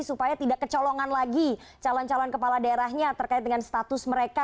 supaya tidak kecolongan lagi calon calon kepala daerahnya terkait dengan status mereka